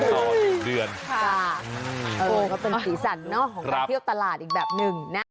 เออก็เป็นฝีสรรเนอะของการเที่ยวตลาดอีกแบบหนึ่งนะ